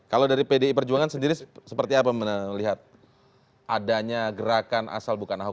kalau dari pdi perjuangan sendiri seperti apa melihat adanya gerakan asal bukan ahok